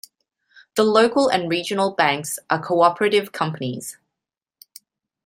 The Local and Regional Banks are cooperative companies.